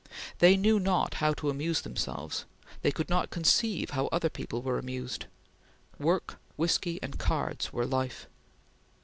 They knew not how to amuse themselves; they could not conceive how other people were amused. Work, whiskey, and cards were life.